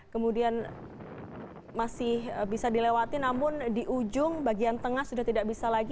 kemudian masih bisa dilewati namun di ujung bagian tengah sudah tidak bisa lagi